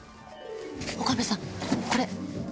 岡部さんこれ。